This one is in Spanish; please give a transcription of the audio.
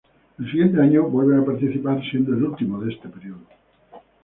El siguiente año vuelven a participar siendo el último de este periodo.